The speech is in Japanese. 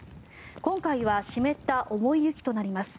今回は湿った重い雪となります。